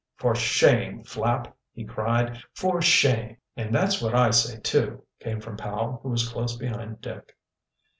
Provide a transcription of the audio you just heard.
"For shame, Flapp!" he cried. "For shame!" "And that's what I say, too," came from Powell, who was close behind Dick.